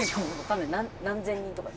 何千人とか。